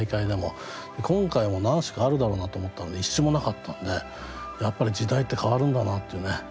今回も何首かあるだろうなと思ったら一首もなかったんでやっぱり時代って変わるんだなっていうね。